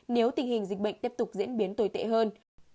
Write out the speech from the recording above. nếu tình hình dịch bệnh tiếp tục diễn biến tồi tệ hơn